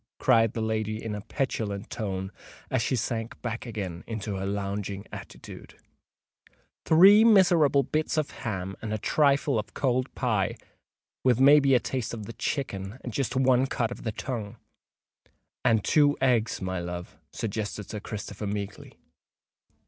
cried the lady in a petulant tone, as she sank back again into her lounging attitude: "three miserable bits of ham, and a trifle of cold pie, with may be a taste of the chicken, and just one cut out of the tongue——" "And two eggs, my love," suggested Sir Christopher meekly.